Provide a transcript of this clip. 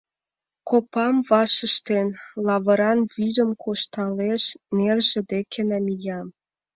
Копам ваш ыштен, лавыран вӱдым кошталеш, нерже деке намия.